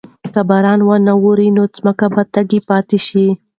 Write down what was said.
که باران ونه وریږي نو ځمکه به تږې پاتې شي.